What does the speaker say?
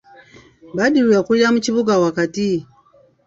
Badru yakulira mu kibuga wakati.